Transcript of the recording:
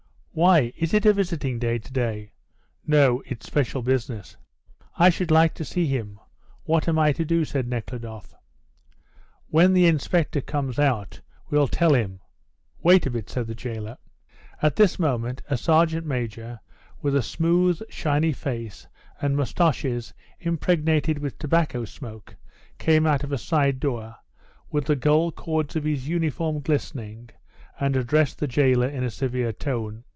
"Why, is it a visiting day to day?" "No; it's special business." "I should like to see him. What am I to do?" said Nekhludoff. "When the inspector comes out you'll tell him wait a bit," said the jailer. At this moment a sergeant major, with a smooth, shiny face and moustaches impregnated with tobacco smoke, came out of a side door, with the gold cords of his uniform glistening, and addressed the jailer in a severe tone.